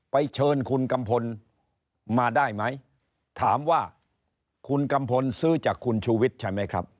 เชิญคุณกัมพลมาได้ไหมถามว่าคุณกัมพลซื้อจากคุณชูวิทย์ใช่ไหมครับ